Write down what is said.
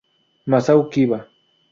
Masao Kiba